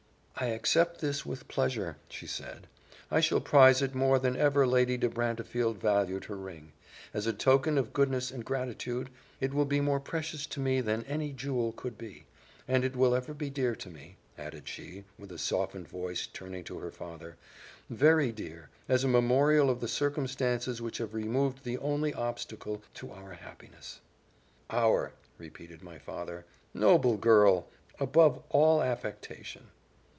"I accept this with pleasure," said she; "I shall prize it more than ever Lady de Brantefield valued her ring: as a token of goodness and gratitude, it will be more precious to me than any jewel could be; and it will ever be dear to me," added she, with a softened voice, turning to her father, "very dear, as a memorial of the circumstances which have removed the only obstacle to our happiness." "Our," repeated my father: "noble girl! Above all affectation.